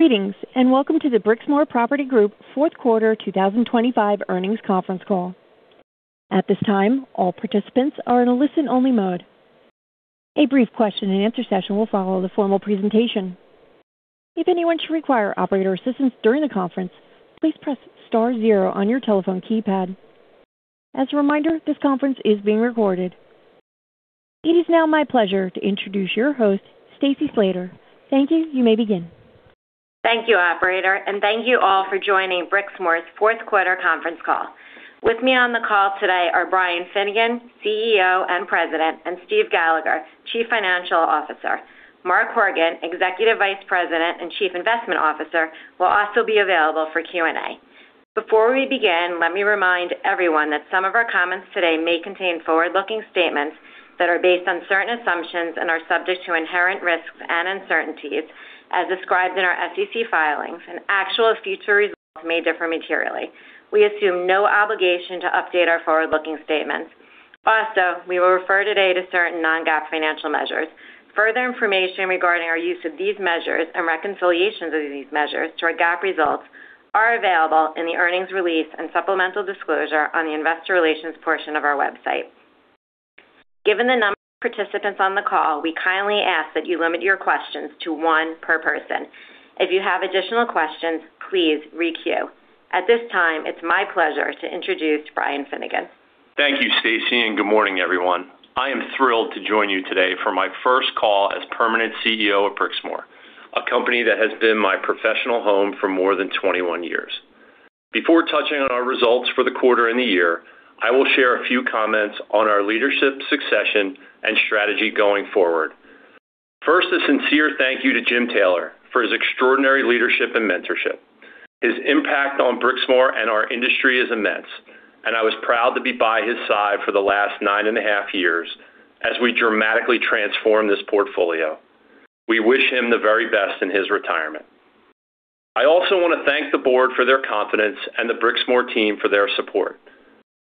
Greetings and welcome to the Brixmor Property Group fourth quarter 2025 earnings conference call. At this time, all participants are in a listen-only mode. A brief question-and-answer session will follow the formal presentation. If anyone should require operator assistance during the conference, please press star zero on your telephone keypad. As a reminder, this conference is being recorded. It is now my pleasure to introduce your host, Stacy Slater. Thank you. You may begin. Thank you, operator, and thank you all for joining Brixmor's fourth quarter conference call. With me on the call today are Brian Finnegan, CEO and President, and Steve Gallagher, Chief Financial Officer. Mark Horgan, Executive Vice President and Chief Investment Officer, will also be available for Q&A. Before we begin, let me remind everyone that some of our comments today may contain forward-looking statements that are based on certain assumptions and are subject to inherent risks and uncertainties. As described in our SEC filings, an actual future result may differ materially. We assume no obligation to update our forward-looking statements. Also, we will refer today to certain non-GAAP financial measures. Further information regarding our use of these measures and reconciliations of these measures to our GAAP results is available in the earnings release and supplemental disclosure on the investor relations portion of our website. Given the number of participants on the call, we kindly ask that you limit your questions to one per person. If you have additional questions, please re-queue. At this time, it's my pleasure to introduce Brian Finnegan. Thank you, Stacy, and good morning, everyone. I am thrilled to join you today for my first call as permanent CEO of Brixmor, a company that has been my professional home for more than 21 years. Before touching on our results for the quarter and the year, I will share a few comments on our leadership succession and strategy going forward. First, a sincere thank you to Jim Taylor for his extraordinary leadership and mentorship. His impact on Brixmor and our industry is immense, and I was proud to be by his side for the last 9.5 years as we dramatically transformed this portfolio. We wish him the very best in his retirement. I also want to thank the board for their confidence and the Brixmor team for their support.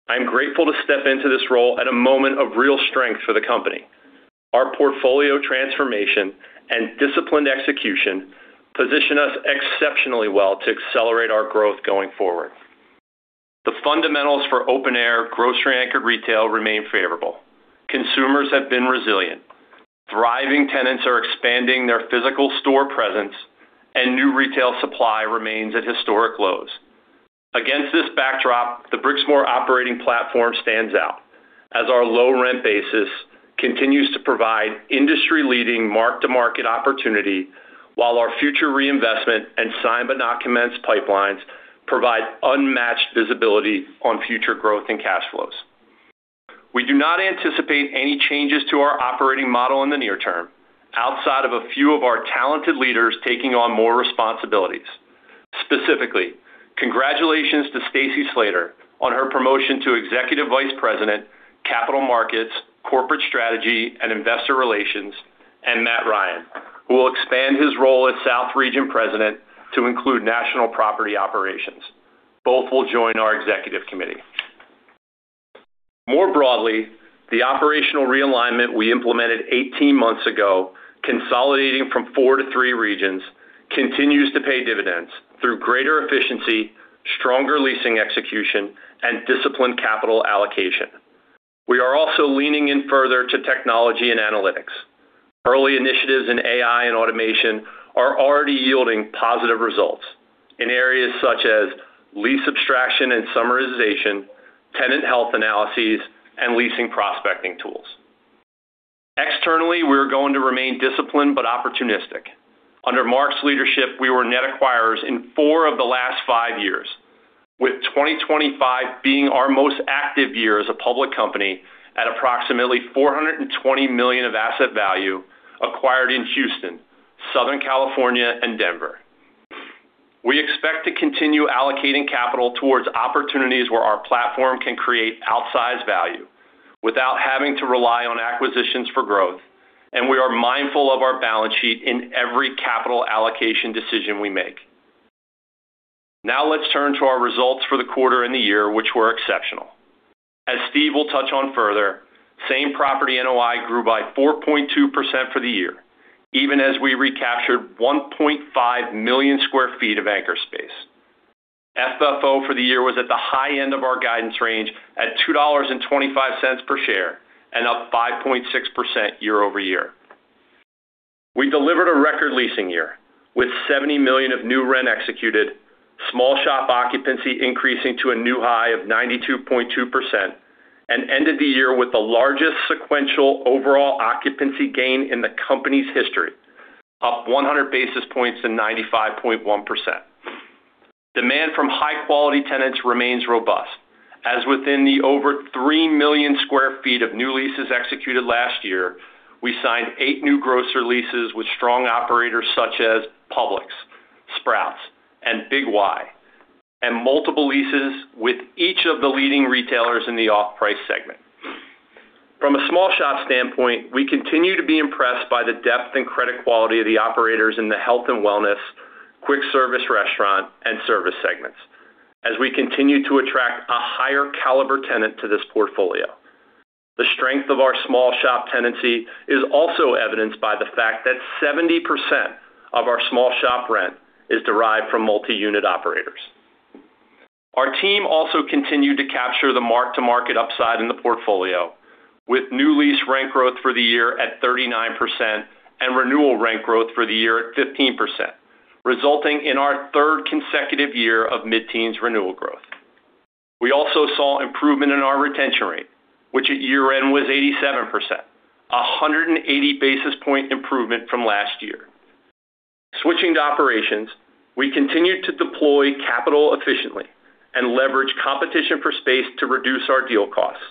I am grateful to step into this role at a moment of real strength for the company. Our portfolio transformation and disciplined execution position us exceptionally well to accelerate our growth going forward. The fundamentals for open-air, grocery-anchored retail remain favorable. Consumers have been resilient. Thriving tenants are expanding their physical store presence, and new retail supply remains at historic lows. Against this backdrop, the Brixmor operating platform stands out as our low-rent basis continues to provide industry-leading mark-to-market opportunity while our future reinvestment and sign-but-not-commence pipelines provide unmatched visibility on future growth and cash flows. We do not anticipate any changes to our operating model in the near term outside of a few of our talented leaders taking on more responsibilities. Specifically, congratulations to Stacy Slater on her promotion to Executive Vice President, Capital Markets, Corporate Strategy and Investor Relations, and Matt Ryan, who will expand his role as South Region President to include National Property Operations. Both will join our executive committee. More broadly, the operational realignment we implemented 18 months ago, consolidating from four to three regions, continues to pay dividends through greater efficiency, stronger leasing execution, and disciplined capital allocation. We are also leaning in further to technology and analytics. Early initiatives in AI and automation are already yielding positive results in areas such as lease abstraction and summarization, tenant health analyses, and leasing prospecting tools. Externally, we are going to remain disciplined but opportunistic. Under Mark's leadership, we were net acquirers in four of the last five years, with 2025 being our most active year as a public company at approximately $420 million of asset value acquired in Houston, Southern California, and Denver. We expect to continue allocating capital towards opportunities where our platform can create outsized value without having to rely on acquisitions for growth, and we are mindful of our balance sheet in every capital allocation decision we make. Now let's turn to our results for the quarter and the year, which were exceptional. As Steve will touch on further, same property NOI grew by 4.2% for the year, even as we recaptured 1.5 million sq ft of anchor space. FFO for the year was at the high end of our guidance range at $2.25 per share and up 5.6% year-over-year. We delivered a record leasing year with $70 million of new rent executed, small shop occupancy increasing to a new high of 92.2%, and ended the year with the largest sequential overall occupancy gain in the company's history, up 100 basis points to 95.1%. Demand from high-quality tenants remains robust. As within the over 3 million sq ft of new leases executed last year, we signed 8 new grocer leases with strong operators such as Publix, Sprouts, and Big Y, and multiple leases with each of the leading retailers in the off-price segment. From a small shop standpoint, we continue to be impressed by the depth and credit quality of the operators in the health and wellness, quick service restaurant, and service segments as we continue to attract a higher caliber tenant to this portfolio. The strength of our small shop tenancy is also evidenced by the fact that 70% of our small shop rent is derived from multi-unit operators. Our team also continued to capture the mark-to-market upside in the portfolio, with new lease rent growth for the year at 39% and renewal rent growth for the year at 15%, resulting in our third consecutive year of mid-teens renewal growth. We also saw improvement in our retention rate, which at year-end was 87%, a 180 basis point improvement from last year. Switching to operations, we continued to deploy capital efficiently and leverage competition for space to reduce our deal costs,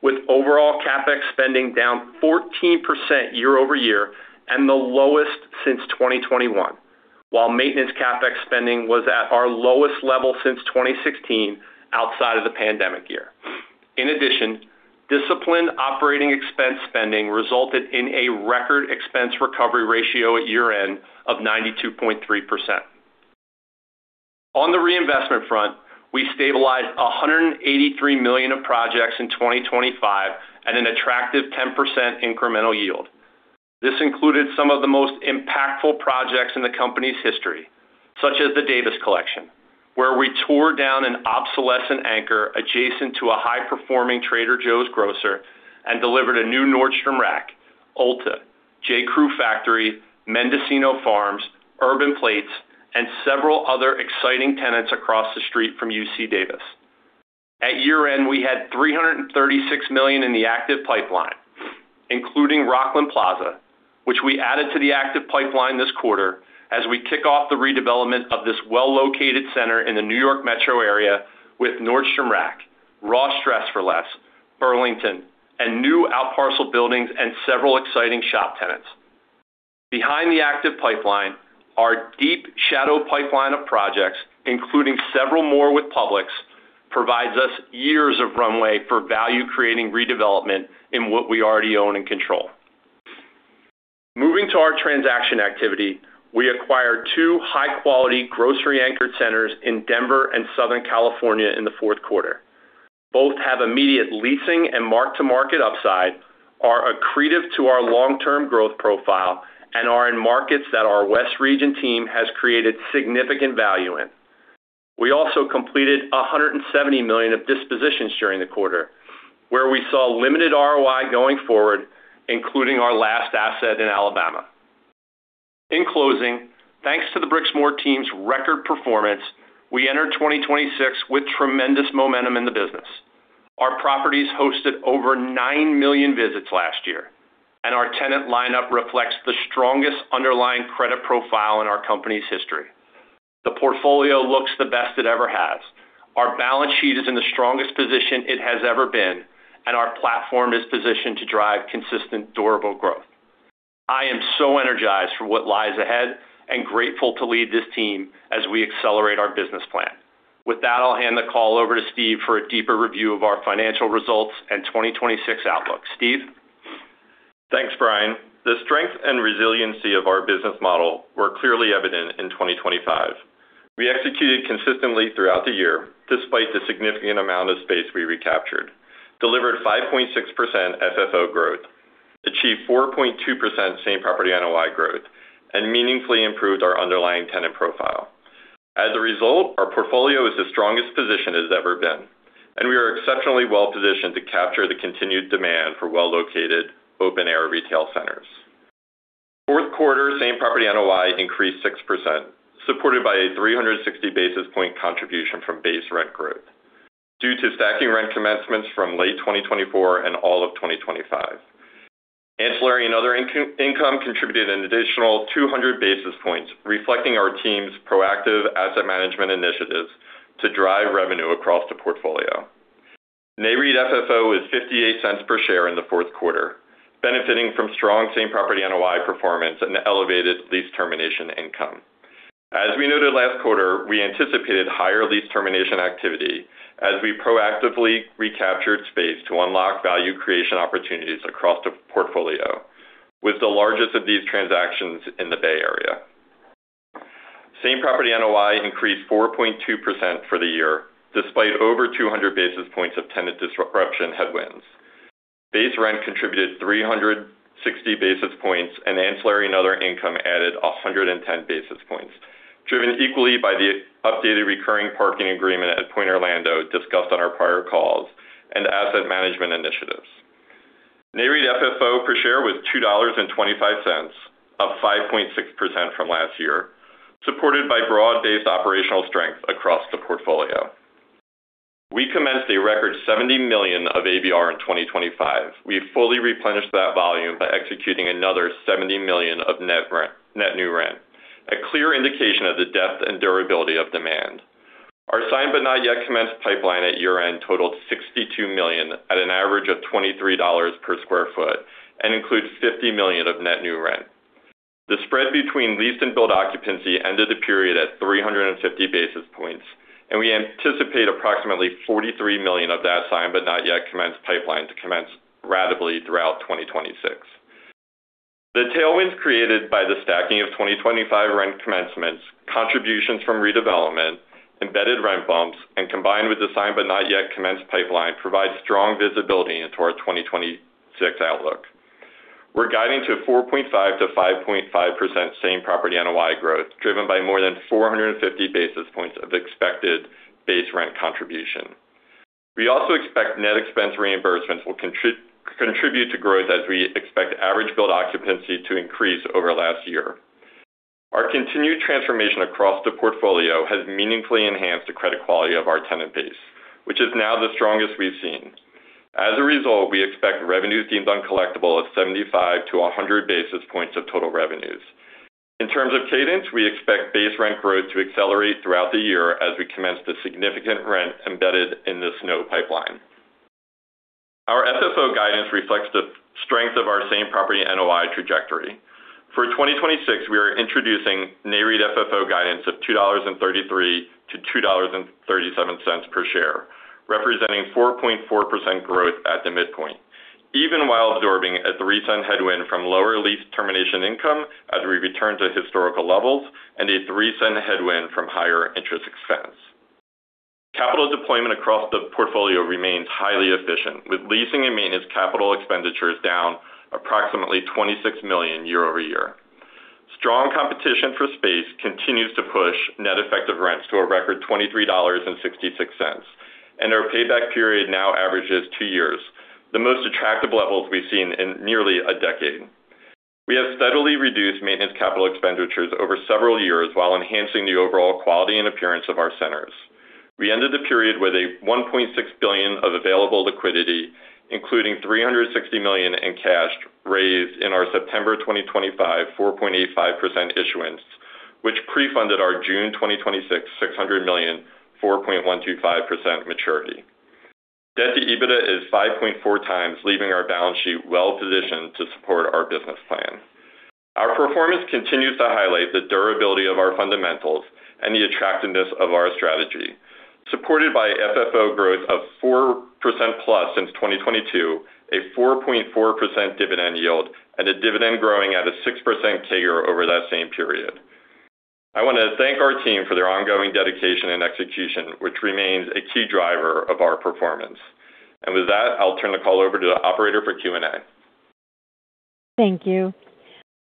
with overall CapEx spending down 14% year-over-year and the lowest since 2021, while maintenance CapEx spending was at our lowest level since 2016 outside of the pandemic year. In addition, disciplined operating expense spending resulted in a record expense recovery ratio at year-end of 92.3%. On the reinvestment front, we stabilized $183 million of projects in 2025 at an attractive 10% incremental yield. This included some of the most impactful projects in the company's history, such as The Davis Collection, where we tore down an obsolescent anchor adjacent to a high-performing Trader Joe's grocer and delivered a new Nordstrom Rack, Ulta, J.Crew Factory, Mendocino Farms, Urban Plates, and several other exciting tenants across the street from UC Davis. At year-end, we had $336 million in the active pipeline, including Rockland Plaza, which we added to the active pipeline this quarter as we kick off the redevelopment of this well-located center in the New York Metro area with Nordstrom Rack, Ross Dress for Less, Burlington, and new out-parcel buildings and several exciting shop tenants. Behind the active pipeline, our deep shadow pipeline of projects, including several more with Publix, provides us years of runway for value-creating redevelopment in what we already own and control. Moving to our transaction activity, we acquired 2 high-quality grocery-anchored centers in Denver and Southern California in the fourth quarter. Both have immediate leasing and mark-to-market upside, are accretive to our long-term growth profile, and are in markets that our West Region team has created significant value in. We also completed $170 million of dispositions during the quarter, where we saw limited ROI going forward, including our last asset in Alabama. In closing, thanks to the Brixmor team's record performance, we entered 2026 with tremendous momentum in the business. Our properties hosted over 9 million visits last year, and our tenant lineup reflects the strongest underlying credit profile in our company's history. The portfolio looks the best it ever has. Our balance sheet is in the strongest position it has ever been, and our platform is positioned to drive consistent, durable growth. I am so energized for what lies ahead and grateful to lead this team as we accelerate our business plan. With that, I'll hand the call over to Steve for a deeper review of our financial results and 2026 outlook. Steve? Thanks, Brian. The strength and resiliency of our business model were clearly evident in 2025. We executed consistently throughout the year despite the significant amount of space we recaptured, delivered 5.6% FFO growth, achieved 4.2% Same Property NOI growth, and meaningfully improved our underlying tenant profile. As a result, our portfolio is the strongest position it has ever been, and we are exceptionally well-positioned to capture the continued demand for well-located open-air retail centers. Fourth quarter, Same Property NOI increased 6%, supported by a 360 basis points contribution from base rent growth due to stacking rent commencements from late 2024 and all of 2025. Ancillary and other income contributed an additional 200 basis points, reflecting our team's proactive asset management initiatives to drive revenue across the portfolio. NAREIT FFO was $0.58 per share in the fourth quarter, benefiting from strong Same Property NOI performance and elevated lease termination income. As we noted last quarter, we anticipated higher lease termination activity as we proactively recaptured space to unlock value creation opportunities across the portfolio, with the largest of these transactions in the Bay Area. Same Property NOI increased 4.2% for the year despite over 200 basis points of tenant disruption headwinds. Base rent contributed 360 basis points, and ancillary and other income added 110 basis points, driven equally by the updated recurring parking agreement at Pointe Orlando discussed on our prior calls and asset management initiatives. NAREIT FFO per share was $2.25, up 5.6% from last year, supported by broad-based operational strength across the portfolio. We commenced a record $70 million of ABR in 2025. We fully replenished that volume by executing another $70 million of net new rent, a clear indication of the depth and durability of demand. Our signed-but-not-yet commenced pipeline at year-end totaled $62 million at an average of $23 per sq ft and includes $50 million of net new rent. The spread between leased and built occupancy ended the period at 350 basis points, and we anticipate approximately $43 million of that signed-but-not-yet commenced pipeline to commence rapidly throughout 2026. The tailwinds created by the stacking of 2025 rent commencements, contributions from redevelopment, embedded rent bumps, and combined with the signed-but-not-yet commenced pipeline provide strong visibility into our 2026 outlook. We're guiding to 4.5%-5.5% same property NOI growth, driven by more than 450 basis points of expected base rent contribution. We also expect net expense reimbursements will contribute to growth as we expect average built occupancy to increase over last year. Our continued transformation across the portfolio has meaningfully enhanced the credit quality of our tenant base, which is now the strongest we've seen. As a result, we expect revenues deemed uncollectable of 75 to 100 basis points of total revenues. In terms of cadence, we expect base rent growth to accelerate throughout the year as we commence the significant rent embedded in the SNO pipeline. Our FFO guidance reflects the strength of our same property NOI trajectory. For 2026, we are introducing NAREIT FFO guidance of $2.33-$2.37 per share, representing 4.4% growth at the midpoint, even while absorbing a $0.03 headwind from lower lease termination income as we return to historical levels and a $0.03 headwind from higher interest expense. Capital deployment across the portfolio remains highly efficient, with leasing and maintenance capital expenditures down approximately $26 million year-over-year. Strong competition for space continues to push net effective rents to a record $23.66, and our payback period now averages two years, the most attractive levels we've seen in nearly a decade. We have steadily reduced maintenance capital expenditures over several years while enhancing the overall quality and appearance of our centers. We ended the period with $1.6 billion of available liquidity, including $360 million in cash raised in our September 2025 4.85% issuance, which pre-funded our June 2026 $600 million 4.125% maturity. Debt to EBITDA is 5.4 times, leaving our balance sheet well-positioned to support our business plan. Our performance continues to highlight the durability of our fundamentals and the attractiveness of our strategy, supported by FFO growth of 4%+ since 2022, a 4.4% dividend yield, and a dividend growing at a 6% CAGR over that same period. I want to thank our team for their ongoing dedication and execution, which remains a key driver of our performance. With that, I'll turn the call over to the operator for Q&A. Thank you.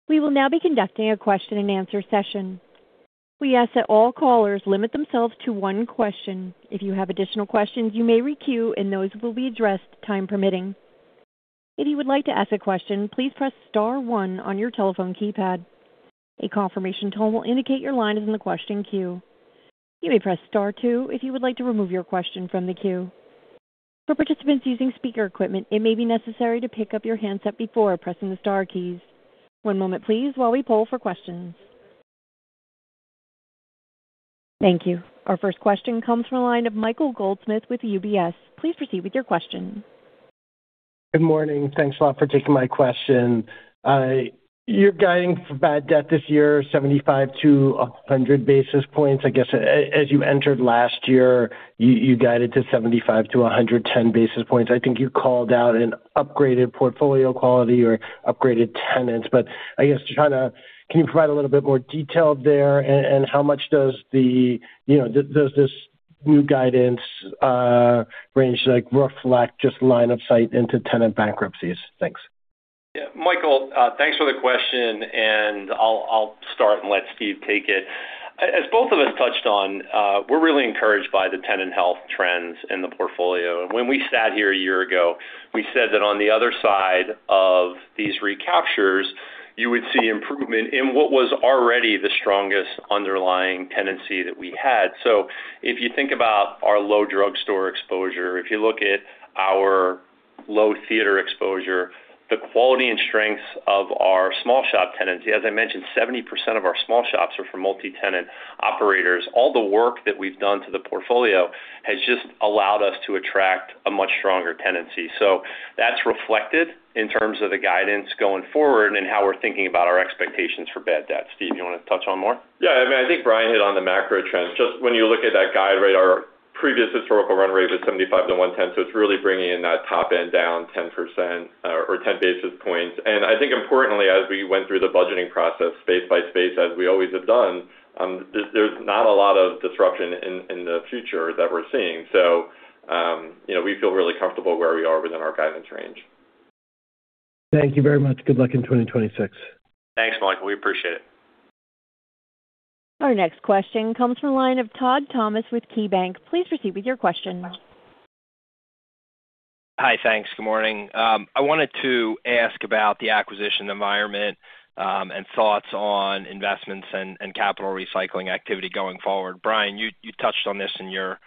We will now be conducting a question-and-answer session. We ask that all callers limit themselves to one question. If you have additional questions, you may re-queue, and those will be addressed time permitting. If you would like to ask a question, please press star one on your telephone keypad. A confirmation tone will indicate your line is in the question queue. You may press star two if you would like to remove your question from the queue. For participants using speaker equipment, it may be necessary to pick up your handset before pressing the star keys. One moment, please, while we pull for questions. Thank you. Our first question comes from a line of Michael Goldsmith with UBS. Please proceed with your question. Good morning. Thanks a lot for taking my question. Your guidance for bad debt this year, 75-100 basis points. I guess as you entered last year, you guided to 75-110 basis points. I think you called out an upgraded portfolio quality or upgraded tenants. But I guess to try to, can you provide a little bit more detail there? And how much does this new guidance range reflect just line of sight into tenant bankruptcies? Thanks. Yeah. Michael, thanks for the question. And I'll start and let Steve take it. As both of us touched on, we're really encouraged by the tenant health trends in the portfolio. And when we sat here a year ago, we said that on the other side of these recaptures, you would see improvement in what was already the strongest underlying tenancy that we had. So if you think about our low drugstore exposure, if you look at our low theater exposure, the quality and strengths of our small shop tenancy as I mentioned, 70% of our small shops are for multi-tenant operators. All the work that we've done to the portfolio has just allowed us to attract a much stronger tenancy. So that's reflected in terms of the guidance going forward and how we're thinking about our expectations for bad debt. Steve, you want to touch on more? Yeah. I mean, I think Brian hit on the macro trends. Just when you look at that guide rate, our previous historical run rate was 75-110. So it's really bringing in that top end down 10% or 10 basis points. And I think importantly, as we went through the budgeting process space by space, as we always have done, there's not a lot of disruption in the future that we're seeing. So we feel really comfortable where we are within our guidance range. Thank you very much. Good luck in 2026. Thanks, Michael. We appreciate it. Our next question comes from a line of Todd Thomas with KeyBanc. Please proceed with your question. Hi. Thanks. Good morning. I wanted to ask about the acquisition environment and thoughts on investments and capital recycling activity going forward. Brian, you touched on this in your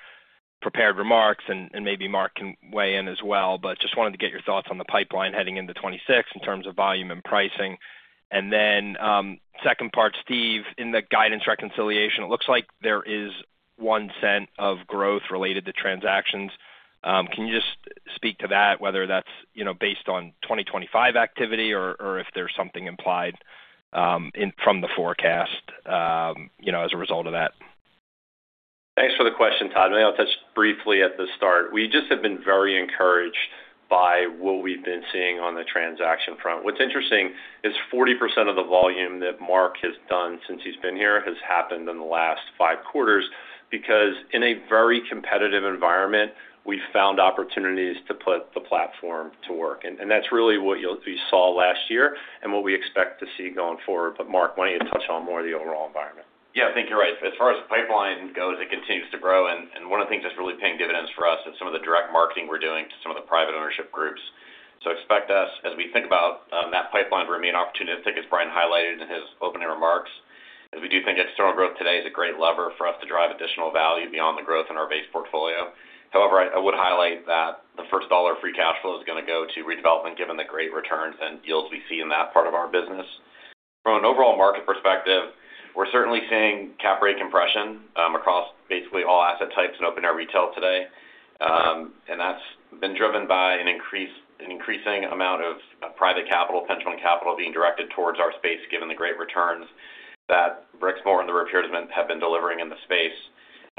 prepared remarks, and maybe Mark can weigh in as well. But just wanted to get your thoughts on the pipeline heading into 2026 in terms of volume and pricing. And then second part, Steve, in the guidance reconciliation, it looks like there is $0.01 of growth related to transactions. Can you just speak to that, whether that's based on 2025 activity or if there's something implied from the forecast as a result of that? Thanks for the question, Todd. Maybe I'll touch briefly at the start. We just have been very encouraged by what we've been seeing on the transaction front. What's interesting is 40% of the volume that Mark has done since he's been here has happened in the last five quarters because in a very competitive environment, we found opportunities to put the platform to work. And that's really what you saw last year and what we expect to see going forward. But Mark, why don't you touch on more of the overall environment? Yeah. I think you're right. As far as the pipeline goes, it continues to grow. And one of the things that's really paying dividends for us is some of the direct marketing we're doing to some of the private ownership groups. So expect us, as we think about that pipeline, to remain opportunistic, as Brian highlighted in his opening remarks, as we do think external growth today is a great lever for us to drive additional value beyond the growth in our base portfolio. However, I would highlight that the first dollar of free cash flow is going to go to redevelopment given the great returns and yields we see in that part of our business. From an overall market perspective, we're certainly seeing cap rate compression across basically all asset types in open-air retail today. That's been driven by an increasing amount of private capital, pension fund capital being directed towards our space given the great returns that Brixmor and the REITs have been delivering in the space.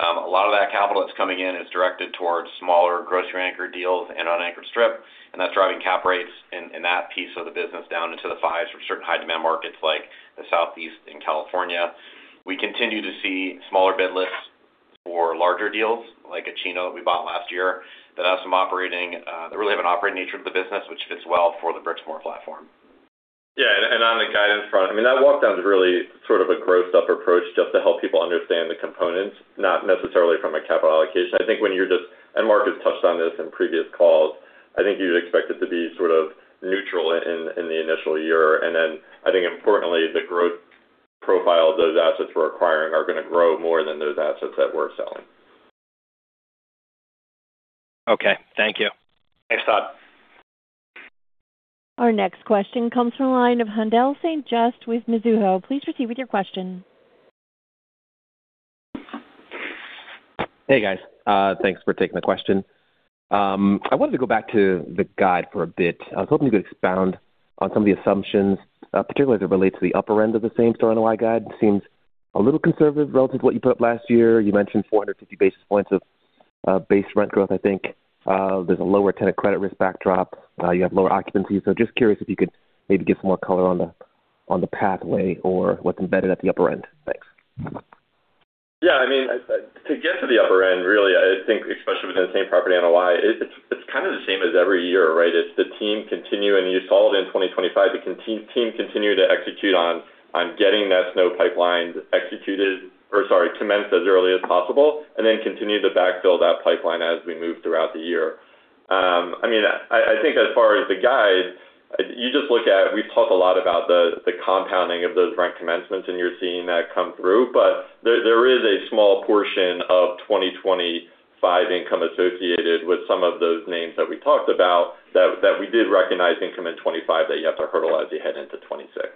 A lot of that capital that's coming in is directed towards smaller grocery anchor deals and unanchored strip. That's driving cap rates in that piece of the business down into the fives for certain high-demand markets like the Southeast and California. We continue to see smaller bid lists for larger deals like a Chino that we bought last year that really have an operating nature to the business, which fits well for the Brixmor platform. Yeah. And on the guidance front, I mean, that walkdown's really sort of a growth-up approach just to help people understand the components, not necessarily from a capital allocation. I think when you're just, and Mark has touched on this in previous calls. I think you'd expect it to be sort of neutral in the initial year. And then I think, importantly, the growth profile of those assets we're acquiring are going to grow more than those assets that we're selling. Okay. Thank you. Thanks, Todd. Our next question comes from a line of Haendel St. Juste with Mizuho. Please proceed with your question. Hey, guys. Thanks for taking the question. I wanted to go back to the guide for a bit. I was hoping you could expound on some of the assumptions, particularly as it relates to the upper end of the same-property NOI guide. It seems a little conservative relative to what you put up last year. You mentioned 450 basis points of base rent growth, I think. There's a lower tenant credit risk backdrop. You have lower occupancy. So just curious if you could maybe give some more color on the pathway or what's embedded at the upper end. Thanks. Yeah. I mean, to get to the upper end, really, I think, especially within the same property NOI, it's kind of the same as every year, right? It's the team continue and you saw it in 2025. The team continue to execute on getting that SNO pipeline executed or sorry, commenced as early as possible and then continue to backfill that pipeline as we move throughout the year. I mean, I think as far as the guide, you just look at we've talked a lot about the compounding of those rent commencements, and you're seeing that come through. But there is a small portion of 2025 income associated with some of those names that we talked about that we did recognize income in 2025 that you have to hurdle as you head into 2026.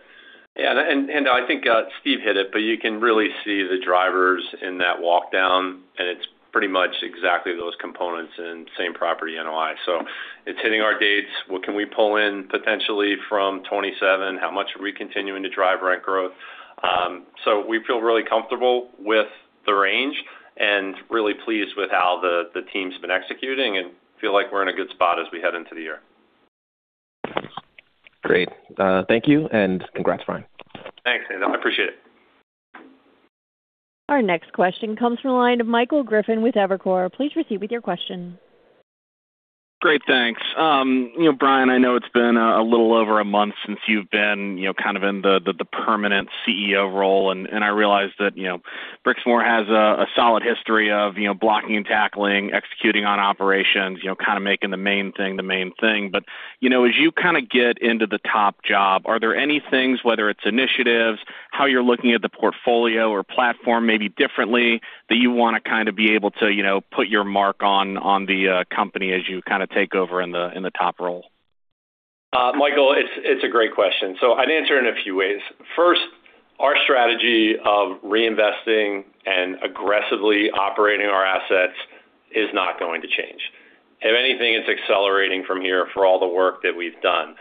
Yeah. I think Steve hit it, but you can really see the drivers in that walkdown. It's pretty much exactly those components in Same Property NOI. It's hitting our dates. What can we pull in potentially from 2027? How much are we continuing to drive rent growth? We feel really comfortable with the range and really pleased with how the team's been executing and feel like we're in a good spot as we head into the year. Great. Thank you. And congrats, Brian. Thanks, Haendel. I appreciate it. Our next question comes from a line of Michael Griffin with Evercore. Please proceed with your question. Great. Thanks. Brian, I know it's been a little over a month since you've been kind of in the permanent CEO role. I realize that Brixmor has a solid history of blocking and tackling, executing on operations, kind of making the main thing the main thing. But as you kind of get into the top job, are there any things, whether it's initiatives, how you're looking at the portfolio or platform maybe differently, that you want to kind of be able to put your mark on the company as you kind of take over in the top role? Michael, it's a great question. So I'd answer in a few ways. First, our strategy of reinvesting and aggressively operating our assets is not going to change. If anything, it's accelerating from here for all the work that we've done,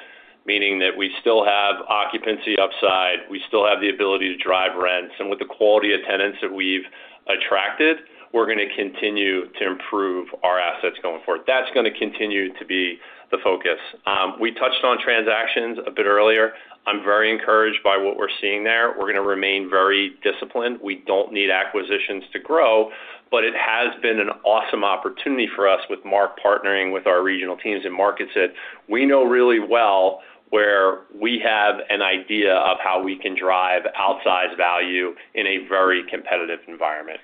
meaning that we still have occupancy upside. We still have the ability to drive rents. And with the quality of tenants that we've attracted, we're going to continue to improve our assets going forward. That's going to continue to be the focus. We touched on transactions a bit earlier. I'm very encouraged by what we're seeing there. We're going to remain very disciplined. We don't need acquisitions to grow. But it has been an awesome opportunity for us with Mark partnering with our regional teams in markets that we know really well where we have an idea of how we can drive outsized value in a very competitive environment.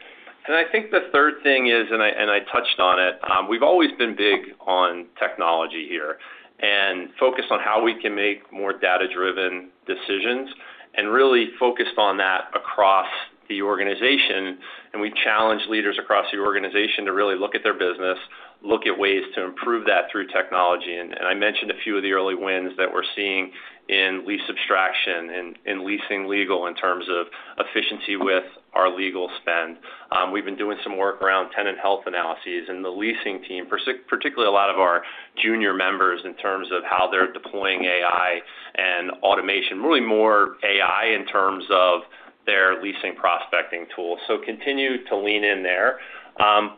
And I think the third thing is, and I touched on it. We've always been big on technology here and focused on how we can make more data-driven decisions and really focused on that across the organization. And we've challenged leaders across the organization to really look at their business, look at ways to improve that through technology. And I mentioned a few of the early wins that we're seeing in lease abstraction, in leasing legal in terms of efficiency with our legal spend. We've been doing some work around tenant health analyses in the leasing team, particularly a lot of our junior members in terms of how they're deploying AI and automation, really more AI in terms of their leasing prospecting tool. So continue to lean in there.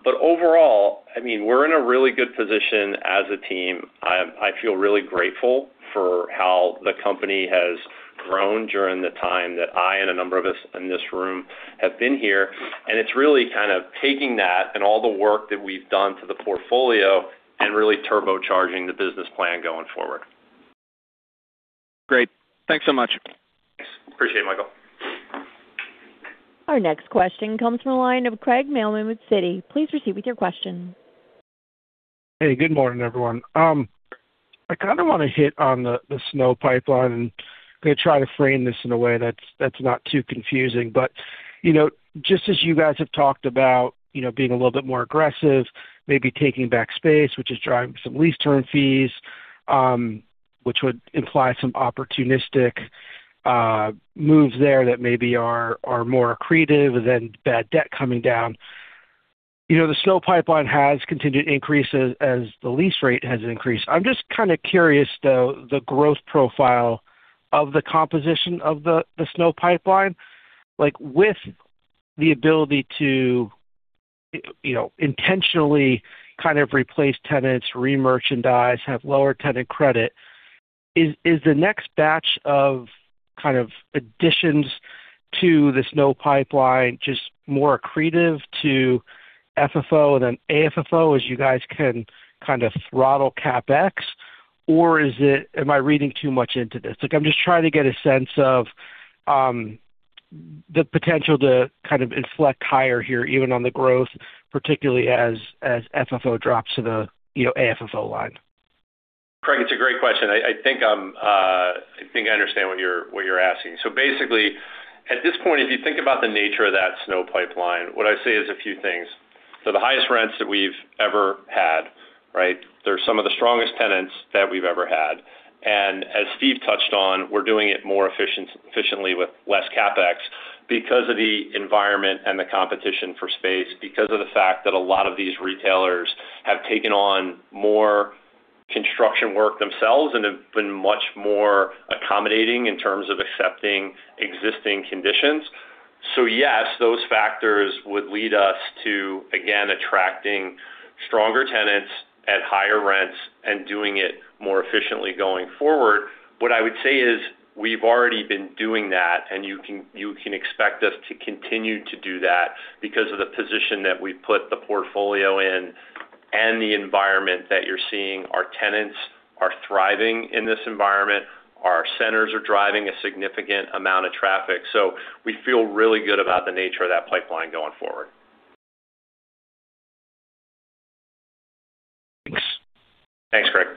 But overall, I mean, we're in a really good position as a team. I feel really grateful for how the company has grown during the time that I and a number of us in this room have been here. It's really kind of taking that and all the work that we've done to the portfolio and really turbocharging the business plan going forward. Great. Thanks so much. Thanks. Appreciate it, Michael. Our next question comes from a line of Craig Mailman with Citi. Please proceed with your question. Hey. Good morning, everyone. I kind of want to hit on the SNO pipeline. And I'm going to try to frame this in a way that's not too confusing. But just as you guys have talked about being a little bit more aggressive, maybe taking back space, which is driving some lease term fees, which would imply some opportunistic moves there that maybe are more accretive than bad debt coming down. The SNO pipeline has continued to increase as the lease rate has increased. I'm just kind of curious, though, the growth profile of the composition of the SNO pipeline with the ability to intentionally kind of replace tenants, remerchandise, have lower tenant credit. Is the next batch of kind of additions to the SNO pipeline just more accretive to FFO and then AFFO as you guys can kind of throttle CapEx? Or am I reading too much into this? I'm just trying to get a sense of the potential to kind of inflect higher here, even on the growth, particularly as FFO drops to the AFFO line. Craig, it's a great question. I think I understand what you're asking. So basically, at this point, if you think about the nature of that SNO pipeline, what I say is a few things. So the highest rents that we've ever had, right? They're some of the strongest tenants that we've ever had. And as Steve touched on, we're doing it more efficiently with less CapEx because of the environment and the competition for space, because of the fact that a lot of these retailers have taken on more construction work themselves and have been much more accommodating in terms of accepting existing conditions. So yes, those factors would lead us to, again, attracting stronger tenants at higher rents and doing it more efficiently going forward. What I would say is we've already been doing that, and you can expect us to continue to do that because of the position that we've put the portfolio in and the environment that you're seeing. Our tenants are thriving in this environment. Our centers are driving a significant amount of traffic. So we feel really good about the nature of that pipeline going forward. Thanks. Thanks, Craig.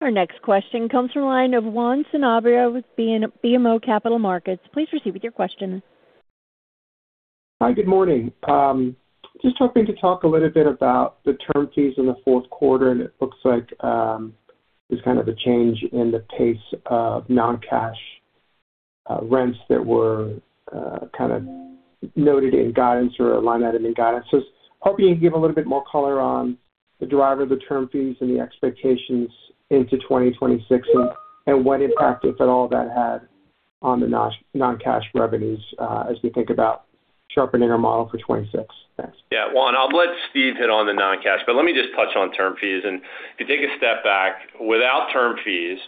Our next question comes from a line of Juan Sanabria with BMO Capital Markets. Please proceed with your question. Hi. Good morning. Just hoping to talk a little bit about the term fees in the fourth quarter. And it looks like there's kind of a change in the pace of non-cash rents that were kind of noted in guidance or aligned that in the guidance. So hoping you can give a little bit more color on the driver of the term fees and the expectations into 2026 and what impact, if at all, that had on the non-cash revenues as we think about sharpening our model for 2026. Thanks. Yeah. Juan, I'll let Steve hit on the non-cash. But let me just touch on term fees. If you take a step back, without term fees,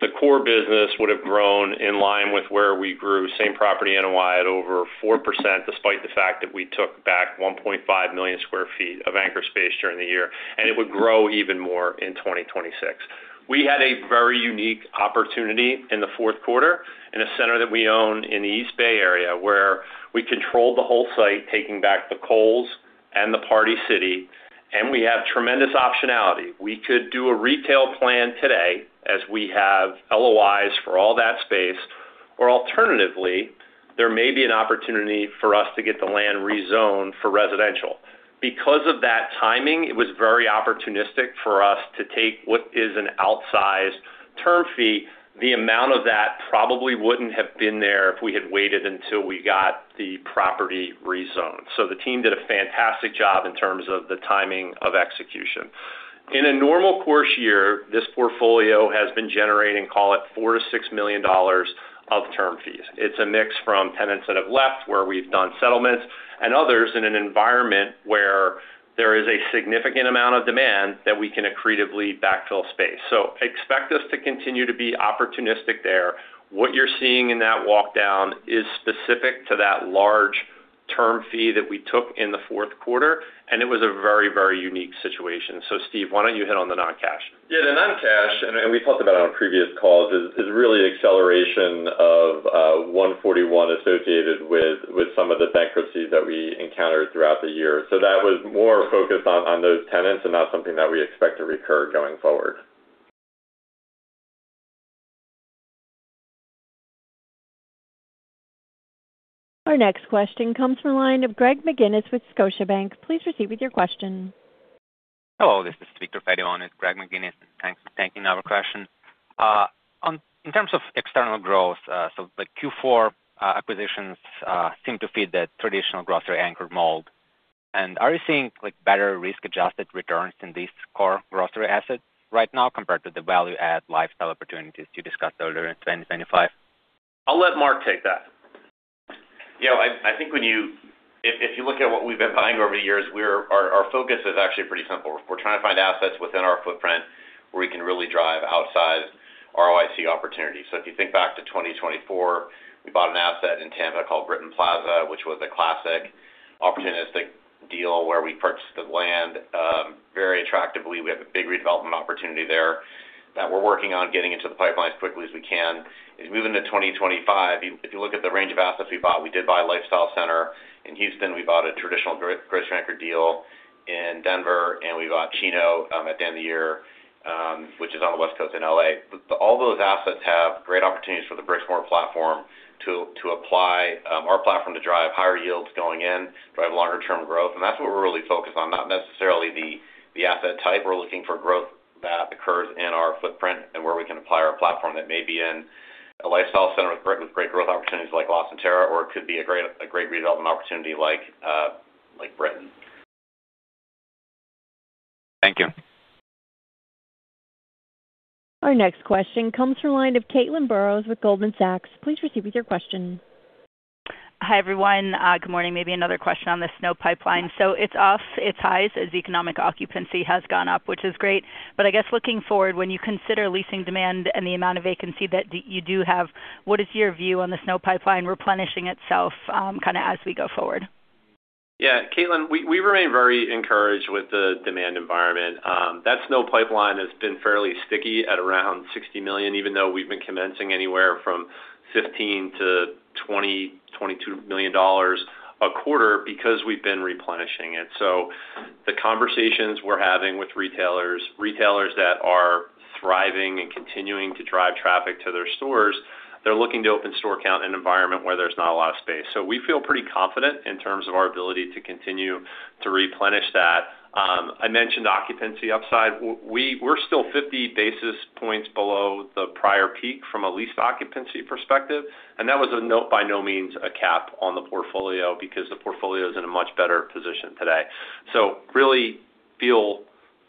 the core business would have grown in line with where we grew, Same Property NOI at over 4% despite the fact that we took back 1.5 million sq ft of anchor space during the year. It would grow even more in 2026. We had a very unique opportunity in the fourth quarter in a center that we own in the East Bay area where we controlled the whole site, taking back the Kohl's and the Party City. We have tremendous optionality. We could do a retail plan today as we have LOIs for all that space. Or alternatively, there may be an opportunity for us to get the land rezoned for residential. Because of that timing, it was very opportunistic for us to take what is an outsized term fee. The amount of that probably wouldn't have been there if we had waited until we got the property rezoned. So the team did a fantastic job in terms of the timing of execution. In a normal course year, this portfolio has been generating, call it, $4 million-$6 million of term fees. It's a mix from tenants that have left where we've done settlements and others in an environment where there is a significant amount of demand that we can accretively backfill space. So expect us to continue to be opportunistic there. What you're seeing in that walkdown is specific to that large term fee that we took in the fourth quarter. And it was a very, very unique situation. So Steve, why don't you hit on the non-cash? Yeah. The non-cash, and we talked about it on previous calls, is really acceleration of 141 associated with some of the bankruptcies that we encountered throughout the year. So that was more focused on those tenants and not something that we expect to recur going forward. Our next question comes from a line of Greg McGinnis with Scotiabank. Please proceed with your question. Hello. This is Viktor Fedun with Greg McGinnis. Thanks for taking our question. In terms of external growth, so Q4 acquisitions seem to feed that traditional grocery anchor mold. And are you seeing better risk-adjusted returns in these core grocery assets right now compared to the value-add lifestyle opportunities you discussed earlier in 2025? I'll let Mark take that. Yeah. I think if you look at what we've been buying over the years, our focus is actually pretty simple. We're trying to find assets within our footprint where we can really drive outsized ROIC opportunities. So if you think back to 2024, we bought an asset in Tampa called Britton Plaza, which was a classic opportunistic deal where we purchased the land very attractively. We have a big redevelopment opportunity there that we're working on getting into the pipelines quickly as we can. Moving to 2025, if you look at the range of assets we bought, we did buy Lifestyle Center in Houston. We bought a traditional grocery anchor deal in Denver. And we bought Chino at the end of the year, which is on the West Coast in L.A. All those assets have great opportunities for the Brixmor platform to apply our platform to drive higher yields going in, drive longer-term growth. That's what we're really focused on, not necessarily the asset type. We're looking for growth that occurs in our footprint and where we can apply our platform that may be in a lifestyle center with great growth opportunities like LaCenterra. Or it could be a great redevelopment opportunity like Britton. Thank you. Our next question comes from a line of Caitlin Burrows with Goldman Sachs. Please proceed with your question. Hi, everyone. Good morning. Maybe another question on the SNO pipeline. So it's off its highs as economic occupancy has gone up, which is great. But I guess looking forward, when you consider leasing demand and the amount of vacancy that you do have, what is your view on the SNO pipeline replenishing itself kind of as we go forward? Yeah. Caitlin, we remain very encouraged with the demand environment. That SNO pipeline has been fairly sticky at around $60 million, even though we've been commencing anywhere from $15 million to $20 million-$22 million a quarter because we've been replenishing it. So the conversations we're having with retailers, retailers that are thriving and continuing to drive traffic to their stores, they're looking to open store count in an environment where there's not a lot of space. So we feel pretty confident in terms of our ability to continue to replenish that. I mentioned occupancy upside. We're still 50 basis points below the prior peak from a leased occupancy perspective. And that was by no means a cap on the portfolio because the portfolio is in a much better position today. Really feel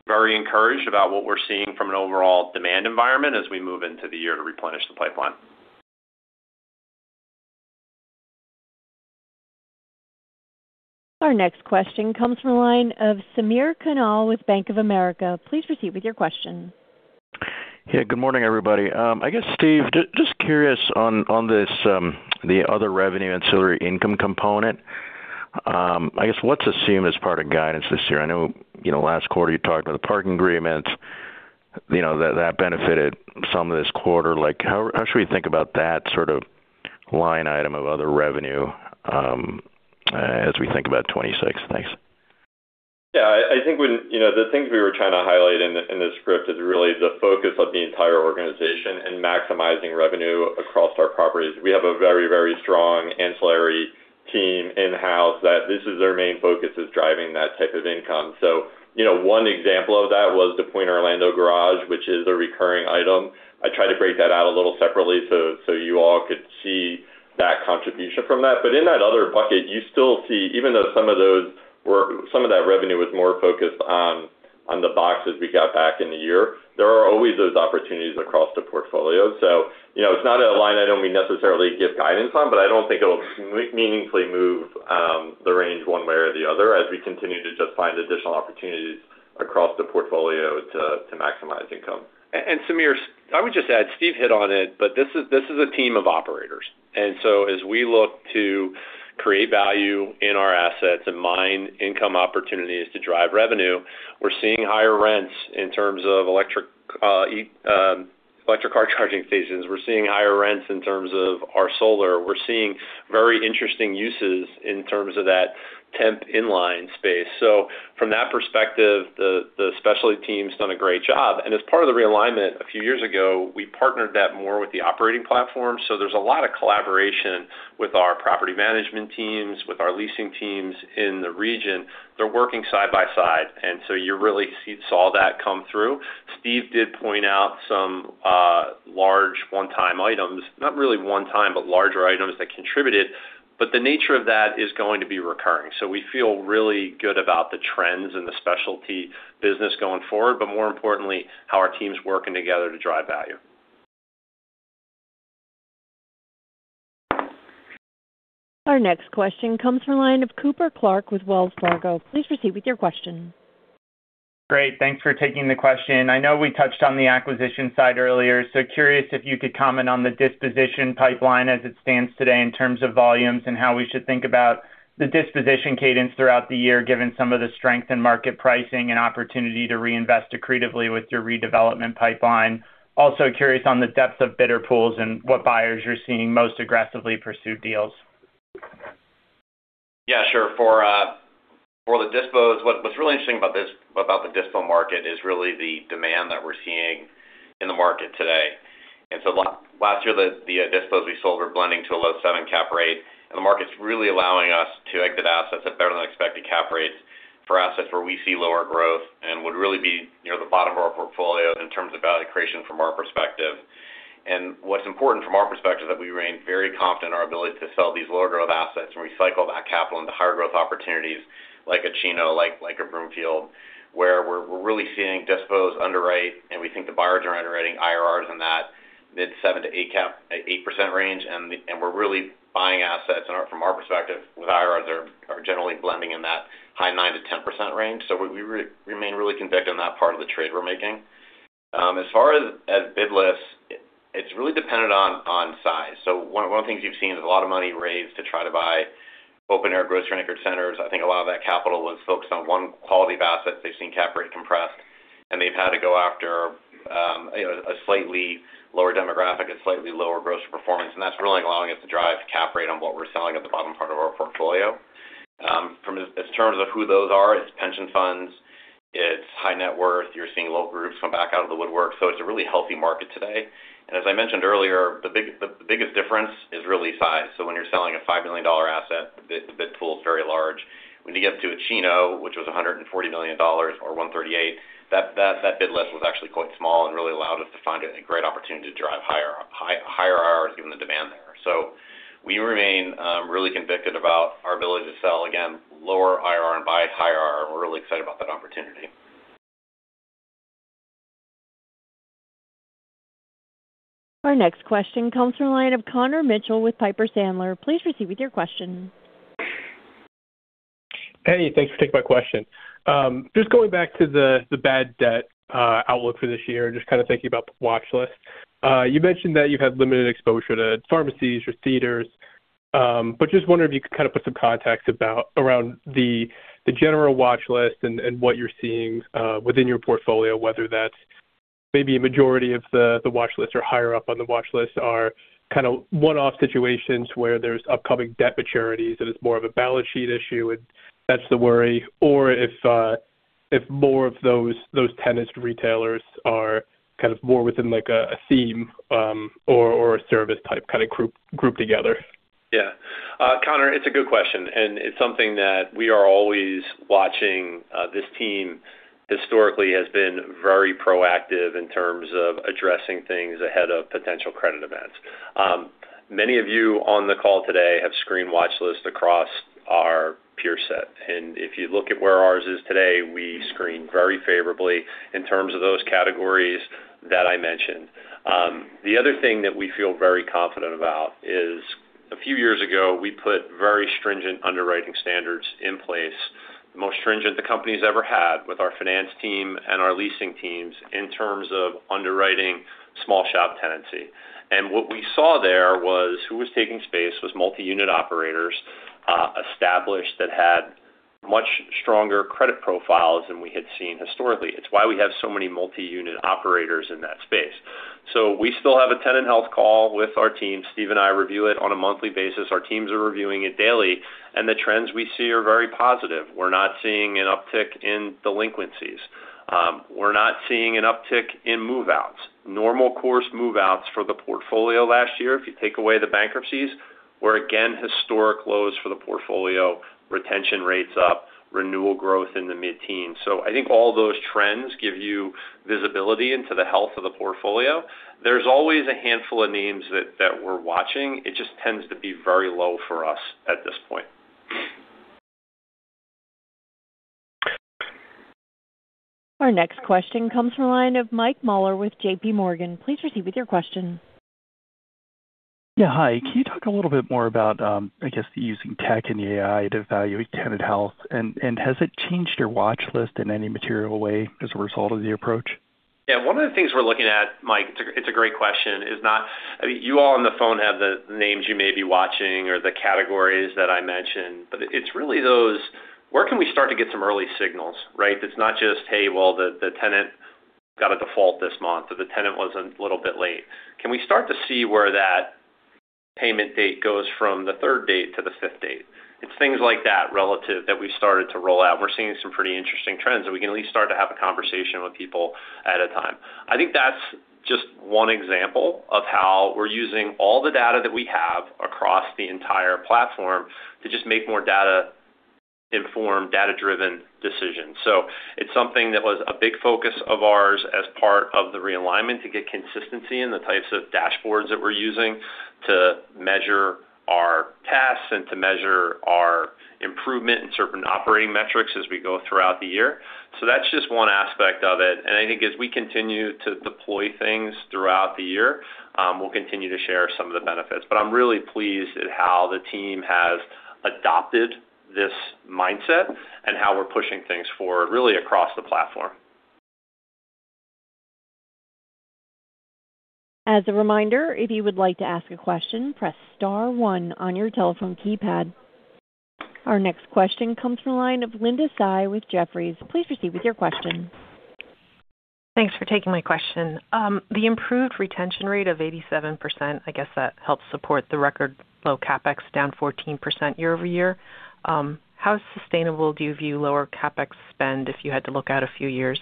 very encouraged about what we're seeing from an overall demand environment as we move into the year to replenish the pipeline. Our next question comes from a line of Samir Khanal with Bank of America. Please proceed with your question. Yeah. Good morning, everybody. I guess, Steve, just curious on the other revenue ancillary income component. I guess what's assumed as part of guidance this year? I know last quarter, you talked about the parking agreement. That benefited some of this quarter. How should we think about that sort of line item of other revenue as we think about 2026? Thanks. Yeah. I think the things we were trying to highlight in the script is really the focus of the entire organization and maximizing revenue across our properties. We have a very, very strong ancillary team in-house that this is their main focus is driving that type of income. So one example of that was the Pointe Orlando garage, which is a recurring item. I tried to break that out a little separately so you all could see that contribution from that. But in that other bucket, you still see even though some of those were some of that revenue was more focused on the boxes we got back in the year, there are always those opportunities across the portfolio. So it's not a line item we necessarily give guidance on. I don't think it'll meaningfully move the range one way or the other as we continue to just find additional opportunities across the portfolio to maximize income. And, Samir, I would just add Steve hit on it. But this is a team of operators. And so as we look to create value in our assets and mine income opportunities to drive revenue, we're seeing higher rents in terms of electric car charging stations. We're seeing higher rents in terms of our solar. We're seeing very interesting uses in terms of that temp inline space. So from that perspective, the specialty team's done a great job. And as part of the realignment a few years ago, we partnered that more with the operating platform. So there's a lot of collaboration with our property management teams, with our leasing teams in the region. They're working side by side. And so you really saw that come through. Steve did point out some large one-time items, not really one-time, but larger items that contributed. But the nature of that is going to be recurring. So we feel really good about the trends in the specialty business going forward, but more importantly, how our team's working together to drive value. Our next question comes from a line of Cooper Clark with Wells Fargo. Please proceed with your question. Great. Thanks for taking the question. I know we touched on the acquisition side earlier. So curious if you could comment on the disposition pipeline as it stands today in terms of volumes and how we should think about the disposition cadence throughout the year given some of the strength in market pricing and opportunity to reinvest accretively with your redevelopment pipeline. Also curious on the depth of bidder pools and what buyers you're seeing most aggressively pursue deals. Yeah. Sure. For the dispos, what's really interesting about the dispo market is really the demand that we're seeing in the market today. So last year, the dispos we sold were blending to a low 7 cap rate. The market's really allowing us to exit assets at better-than-expected cap rates for assets where we see lower growth and would really be near the bottom of our portfolio in terms of value creation from our perspective. What's important from our perspective is that we remain very confident in our ability to sell these lower-growth assets and recycle that capital into higher-growth opportunities like a Chino, like a Broomfield, where we're really seeing dispos underwrite. We think the buyers are underwriting IRRs in that mid-7% to 8% range. And we're really buying assets from our perspective with IRRs that are generally blending in that high 9%-10% range. So we remain really convicted in that part of the trade we're making. As far as bid lists, it's really dependent on size. So one of the things you've seen is a lot of money raised to try to buy open-air grocery anchored centers. I think a lot of that capital was focused on one quality of assets. They've seen cap rate compressed. And they've had to go after a slightly lower demographic, a slightly lower gross performance. And that's really allowing us to drive cap rate on what we're selling at the bottom part of our portfolio. In terms of who those are, it's pension funds. It's high net worth. You're seeing local groups come back out of the woodwork. So it's a really healthy market today. As I mentioned earlier, the biggest difference is really size. So when you're selling a $5 million asset, the bid pool's very large. When you get up to a Chino, which was $140 million or $138 million, that bid list was actually quite small and really allowed us to find a great opportunity to drive higher IRRs given the demand there. So we remain really convicted about our ability to sell, again, lower IRR and buy higher IRR. We're really excited about that opportunity. Our next question comes from a line of Connor Mitchell with Piper Sandler. Please proceed with your question. Hey. Thanks for taking my question. Just going back to the bad debt outlook for this year and just kind of thinking about the watchlist, you mentioned that you've had limited exposure to pharmacies or theaters. But just wondering if you could kind of put some context around the general watchlist and what you're seeing within your portfolio, whether that's maybe a majority of the watchlist or higher up on the watchlist are kind of one-off situations where there's upcoming debt maturities and it's more of a balance sheet issue, and that's the worry, or if more of those tenants, retailers are kind of more within a theme or a service type kind of group together. Yeah. Connor, it's a good question. And it's something that we are always watching. This team historically has been very proactive in terms of addressing things ahead of potential credit events. Many of you on the call today have screened watchlists across our peer set. And if you look at where ours is today, we screen very favorably in terms of those categories that I mentioned. The other thing that we feel very confident about is a few years ago, we put very stringent underwriting standards in place, the most stringent the company's ever had with our finance team and our leasing teams in terms of underwriting small shop tenancy. And what we saw there was who was taking space was multi-unit operators established that had much stronger credit profiles than we had seen historically. It's why we have so many multi-unit operators in that space. So we still have a tenant health call with our team. Steve and I review it on a monthly basis. Our teams are reviewing it daily. And the trends we see are very positive. We're not seeing an uptick in delinquencies. We're not seeing an uptick in move-outs, normal course move-outs for the portfolio last year if you take away the bankruptcies. We're again at historic lows for the portfolio, retention rates up, renewal growth in the mid-teens. So I think all those trends give you visibility into the health of the portfolio. There's always a handful of names that we're watching. It just tends to be very low for us at this point. Our next question comes from a line of Michael Mueller with JPMorgan. Please proceed with your question. Yeah. Hi. Can you talk a little bit more about, I guess, using tech and AI to evaluate tenant health? And has it changed your watchlist in any material way as a result of the approach? Yeah. One of the things we're looking at, Mike, it's a great question, is not, I mean, you all on the phone have the names you may be watching or the categories that I mentioned. But it's really those where can we start to get some early signals, right, that's not just, "Hey, well, the tenant got a default this month," or, "The tenant was a little bit late." Can we start to see where that payment date goes from the third date to the fifth date? It's things like that relative that we've started to roll out. We're seeing some pretty interesting trends. And we can at least start to have a conversation with people ahead of time. I think that's just one example of how we're using all the data that we have across the entire platform to just make more data-informed, data-driven decisions. So it's something that was a big focus of ours as part of the realignment to get consistency in the types of dashboards that we're using to measure our tasks and to measure our improvement in certain operating metrics as we go throughout the year. So that's just one aspect of it. And I think as we continue to deploy things throughout the year, we'll continue to share some of the benefits. But I'm really pleased at how the team has adopted this mindset and how we're pushing things forward really across the platform. As a reminder, if you would like to ask a question, press star one on your telephone keypad. Our next question comes from a line of Linda Tsai with Jefferies. Please proceed with your question. Thanks for taking my question. The improved retention rate of 87%, I guess that helps support the record low CapEx down 14% year-over-year. How sustainable do you view lower CapEx spend if you had to look out a few years?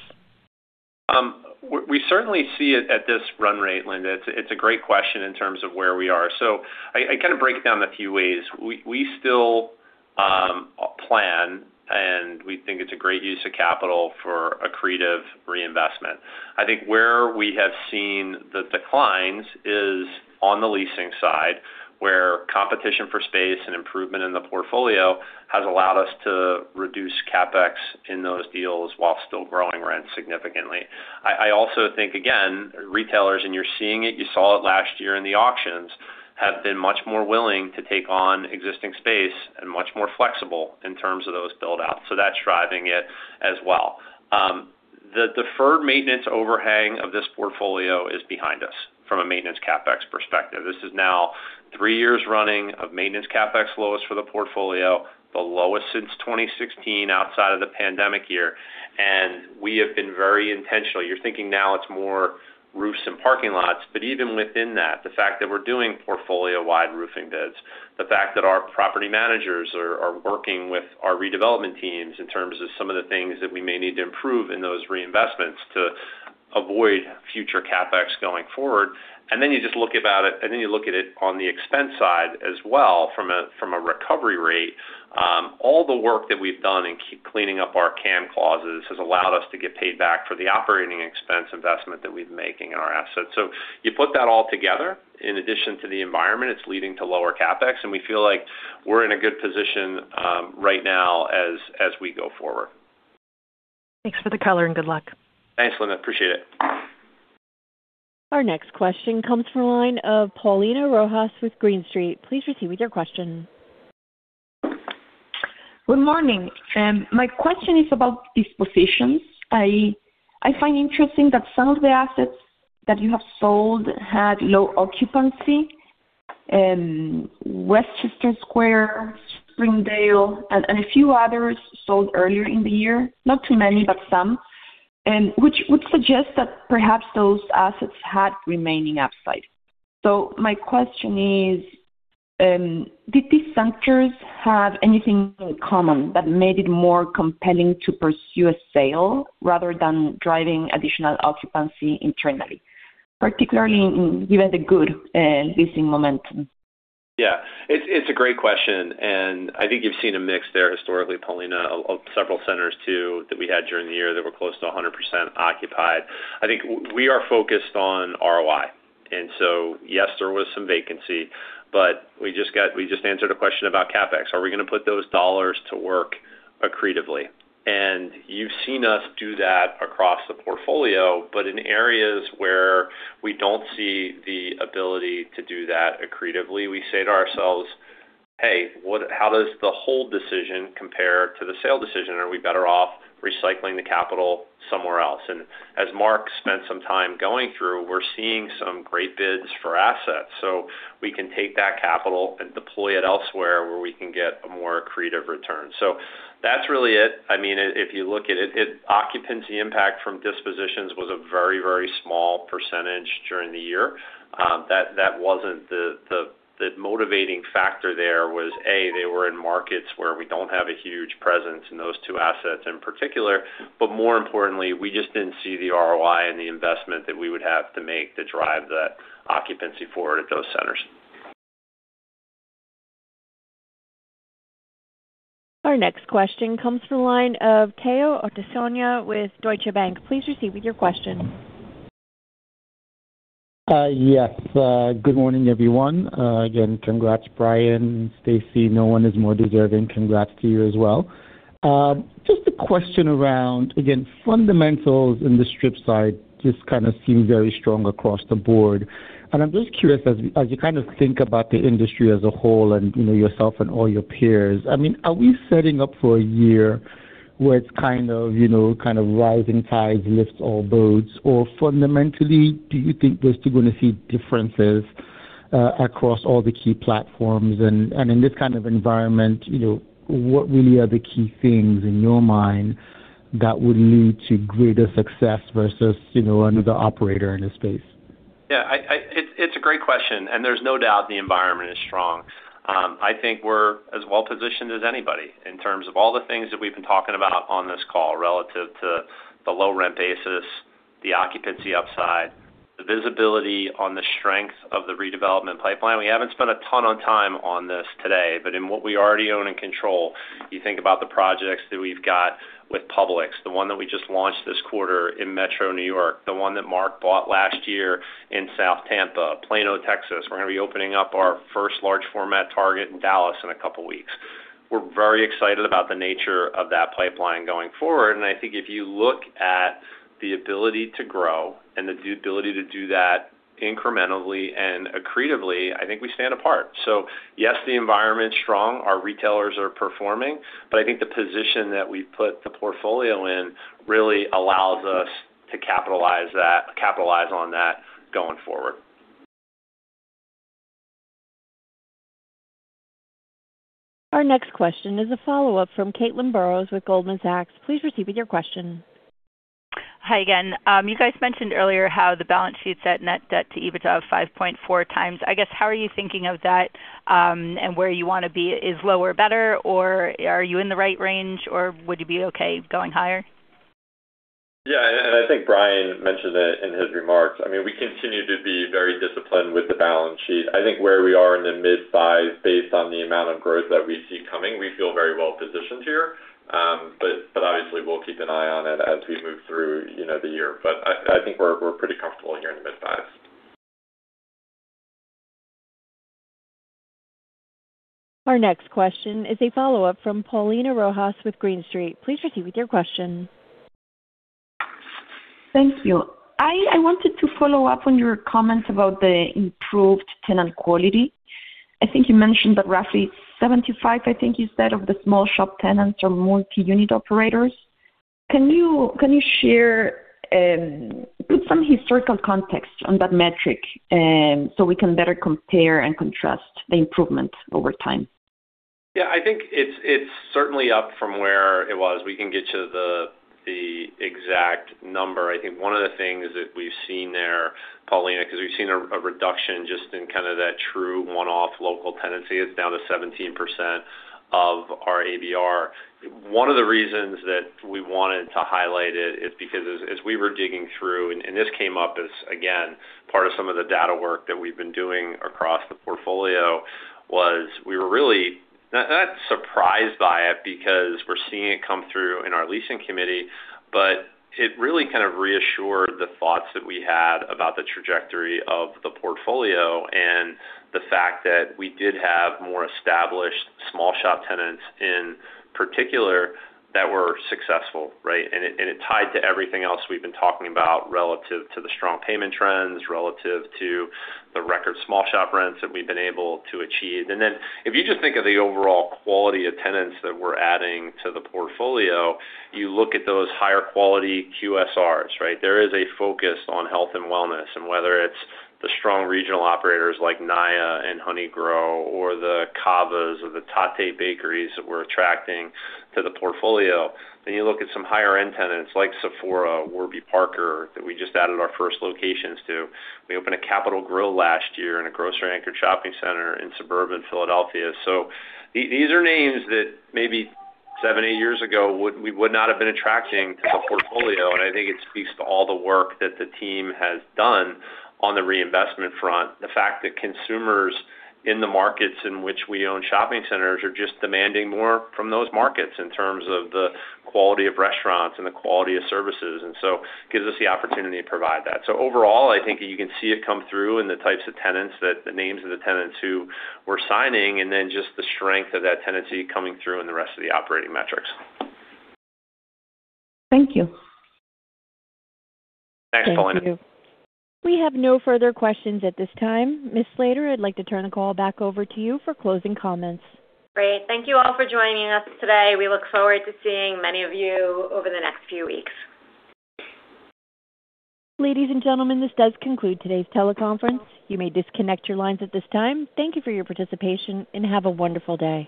We certainly see it at this run rate, Linda. It's a great question in terms of where we are. So I kind of break it down a few ways. We still plan. We think it's a great use of capital for accretive reinvestment. I think where we have seen the declines is on the leasing side where competition for space and improvement in the portfolio has allowed us to reduce CapEx in those deals while still growing rents significantly. I also think, again, retailers, and you're seeing it. You saw it last year in the auctions, have been much more willing to take on existing space and much more flexible in terms of those buildouts. So that's driving it as well. The deferred maintenance overhang of this portfolio is behind us from a maintenance CapEx perspective. This is now 3 years running of maintenance CapEx lowest for the portfolio, the lowest since 2016 outside of the pandemic year. We have been very intentional. You're thinking now it's more roofs and parking lots. But even within that, the fact that we're doing portfolio-wide roofing bids, the fact that our property managers are working with our redevelopment teams in terms of some of the things that we may need to improve in those reinvestments to avoid future CapEx going forward, and then you just look about it and then you look at it on the expense side as well from a recovery rate, all the work that we've done in cleaning up our CAM clauses has allowed us to get paid back for the operating expense investment that we've been making in our assets. You put that all together, in addition to the environment, it's leading to lower CapEx. We feel like we're in a good position right now as we go forward. Thanks for the color. Good luck. Thanks, Linda. Appreciate it. Our next question comes from a line of Paulina Rojas with Green Street. Please proceed with your question. Good morning. My question is about dispositions. I find interesting that some of the assets that you have sold had low occupancy. Westchester Square, Springdale, and a few others sold earlier in the year, not too many but some, which would suggest that perhaps those assets had remaining upside. So my question is, did these centers have anything in common that made it more compelling to pursue a sale rather than driving additional occupancy internally, particularly given the good leasing momentum? Yeah. It's a great question. And I think you've seen a mix there historically, Paulina, of several centers too that we had during the year that were close to 100% occupied. I think we are focused on ROI. And so yes, there was some vacancy. But we just answered a question about CapEx. Are we going to put those dollars to work accretively? And you've seen us do that across the portfolio. But in areas where we don't see the ability to do that accretively, we say to ourselves, "Hey, how does the hold decision compare to the sale decision? Are we better off recycling the capital somewhere else?" And as Mark spent some time going through, we're seeing some great bids for assets. So we can take that capital and deploy it elsewhere where we can get a more accretive return. So that's really it. I mean, if you look at it, occupancy impact from dispositions was a very, very small percentage during the year. That wasn't the motivating factor there. It was, A, they were in markets where we don't have a huge presence in those two assets in particular. But more importantly, we just didn't see the ROI and the investment that we would have to make to drive that occupancy forward at those centers. Our next question comes from a line of Tayo Okusanya with Deutsche Bank. Please proceed with your question. Yes. Good morning, everyone. Again, congrats, Brian and Stacy. No one is more deserving. Congrats to you as well. Just a question around, again, fundamentals in the strip side just kind of seem very strong across the board. And I'm just curious, as you kind of think about the industry as a whole and yourself and all your peers, I mean, are we setting up for a year where it's kind of rising tides lifts all boats? Or fundamentally, do you think we're still going to see differences across all the key platforms? And in this kind of environment, what really are the key things in your mind that would lead to greater success versus another operator in this space? Yeah. It's a great question. There's no doubt the environment is strong. I think we're as well positioned as anybody in terms of all the things that we've been talking about on this call relative to the low-rent basis, the occupancy upside, the visibility on the strength of the redevelopment pipeline. We haven't spent a ton of time on this today. In what we already own and control, you think about the projects that we've got with Publix, the one that we just launched this quarter in Metro New York, the one that Mark bought last year in South Tampa, Plano, Texas. We're going to be opening up our first large-format Target in Dallas in a couple of weeks. We're very excited about the nature of that pipeline going forward. I think if you look at the ability to grow and the ability to do that incrementally and accretively, I think we stand apart. Yes, the environment's strong. Our retailers are performing. I think the position that we've put the portfolio in really allows us to capitalize on that going forward. Our next question is a follow-up from Caitlin Burrows with Goldman Sachs. Please proceed with your question. Hi again. You guys mentioned earlier how the balance sheet set net debt to EBITDA of 5.4x. I guess how are you thinking of that and where you want to be? Is lower better? Or are you in the right range? Or would you be okay going higher? Yeah. I think Brian mentioned it in his remarks. I mean, we continue to be very disciplined with the balance sheet. I think where we are in the mid-fives, based on the amount of growth that we see coming, we feel very well positioned here. But obviously, we'll keep an eye on it as we move through the year. But I think we're pretty comfortable here in the mid-fives. Our next question is a follow-up from Paulina Rojas with Green Street. Please proceed with your question. Thank you. I wanted to follow up on your comments about the improved tenant quality. I think you mentioned that roughly 75, I think you said, of the small shop tenants are multi-unit operators. Can you put some historical context on that metric so we can better compare and contrast the improvement over time? Yeah. I think it's certainly up from where it was. We can get to the exact number. I think one of the things that we've seen there, Paulina, because we've seen a reduction just in kind of that true one-off local tenancy. It's down to 17% of our ABR. One of the reasons that we wanted to highlight it is because as we were digging through and this came up as, again, part of some of the data work that we've been doing across the portfolio was we were really not surprised by it because we're seeing it come through in our leasing committee. But it really kind of reassured the thoughts that we had about the trajectory of the portfolio and the fact that we did have more established small shop tenants in particular that were successful, right? And it tied to everything else we've been talking about relative to the strong payment trends, relative to the record small shop rents that we've been able to achieve. And then if you just think of the overall quality of tenants that we're adding to the portfolio, you look at those higher-quality QSRs, right? There is a focus on health and wellness. And whether it's the strong regional operators like NAYA and honeygrow or the CAVAs or the Tatte Bakeries that we're attracting to the portfolio, then you look at some higher-end tenants like Sephora, Warby Parker that we just added our first locations to. We opened a Capital Grille last year in a grocery-anchored shopping center in suburban Philadelphia. So these are names that maybe seven, eight years ago, we would not have been attracting to the portfolio. I think it speaks to all the work that the team has done on the reinvestment front, the fact that consumers in the markets in which we own shopping centers are just demanding more from those markets in terms of the quality of restaurants and the quality of services. So it gives us the opportunity to provide that. Overall, I think you can see it come through in the types of tenants, the names of the tenants who we're signing, and then just the strength of that tenancy coming through in the rest of the operating metrics. Thank you. Thanks, Paulina. We have no further questions at this time. Ms. Slater, I'd like to turn the call back over to you for closing comments. Great. Thank you all for joining us today. We look forward to seeing many of you over the next few weeks. Ladies and gentlemen, this does conclude today's teleconference. You may disconnect your lines at this time. Thank you for your participation, and have a wonderful day.